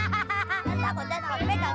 hahaha takutnya sampe gak